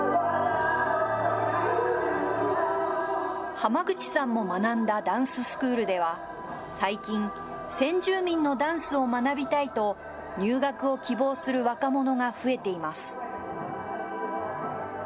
ハマグチさんも学んだダンススクールでは、最近、先住民のダンスを学びたいと、入学を希望する若者が増えています。